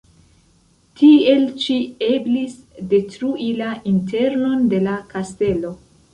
Tiel ĉi eblis detrui la internon de la kastelo.